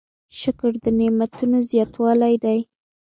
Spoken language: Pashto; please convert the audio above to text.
شکر د نعمتونو زیاتوالی دی.